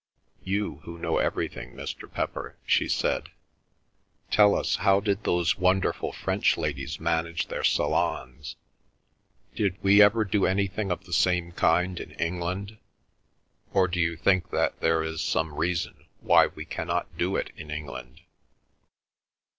"You who know everything, Mr. Pepper," she said, "tell us how did those wonderful French ladies manage their salons? Did we ever do anything of the same kind in England, or do you think that there is some reason why we cannot do it in England?"